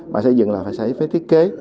mà xây dựng là phải thiết kế